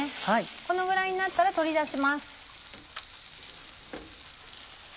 このぐらいになったら取り出します。